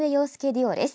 デュオです。